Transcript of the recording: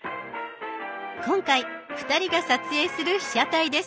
今回２人が撮影する被写体です。